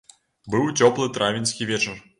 Быў цёплы травеньскі вечар.